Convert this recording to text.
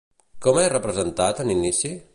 Com és representat en inici?